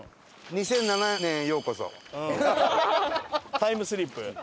タイムスリップ。